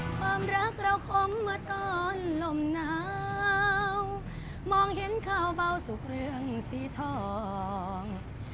ความรักเราคงเมื่อตอนลมหนาวมองเห็นข่าวเบาสุขเรื่องสีทอง